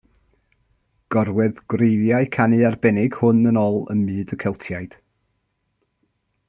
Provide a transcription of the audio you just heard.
Gorwedd gwreiddiau'r canu arbennig hwn yn ôl ym myd y Celtiaid.